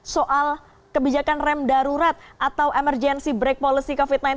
soal kebijakan rem darurat atau emergency break policy covid sembilan belas